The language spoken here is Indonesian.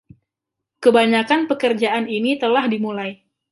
Kebanyakan pekerjaan ini telah dimulai.